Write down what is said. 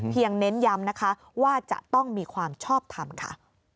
เน้นย้ำนะคะว่าจะต้องมีความชอบทำค่ะ